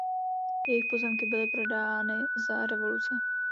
Jejich pozemky byly prodány za revoluce.